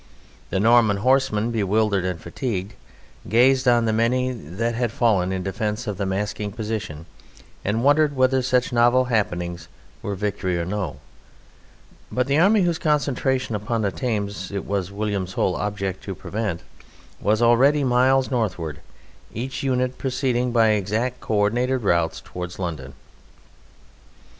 The Norman horsemen, bewildered and fatigued, gazed on the many that had fallen in defence of the masking position and wondered whether such novel happenings were victory or no, but the army whose concentration upon the Thames it was William's whole object to prevent, was already miles northward, each unit proceeding by exactly co ordinated routes towards London.